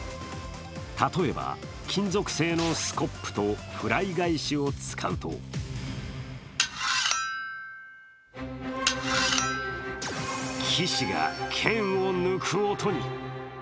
例えば金属製のスコップとフライ返しを使うと騎士が剣を抜く音に。